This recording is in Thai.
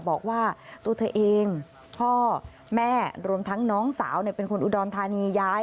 บอกว่าตัวเธอเองพ่อแม่รวมทั้งน้องสาวเป็นคนอุดรธานีย้าย